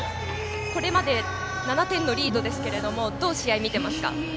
これまで７点のリードですけれどもどう試合見ていますか？